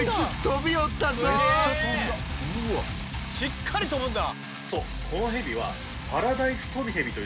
しっかり飛ぶんだ。